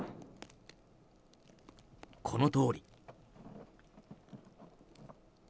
このとおり。